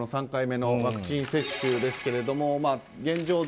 ３回目のワクチン接種ですが現状